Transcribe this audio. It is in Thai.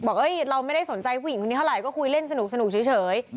เราไม่ได้สนใจผู้หญิงคนนี้เท่าไหร่ก็คุยเล่นสนุกเฉย